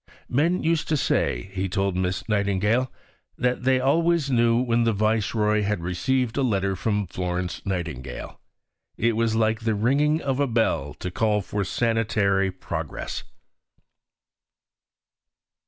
"Men used to say," he told Miss Nightingale, "that they always knew when the Viceroy had received a letter from Florence Nightingale: it was like the ringing of a bell to call for sanitary progress."